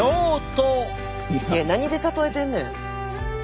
いや何で例えてんねん！